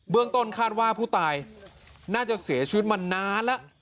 เบื้องตนคาดว่าผู้ตายน่าจะเสียชีวิตมานานละ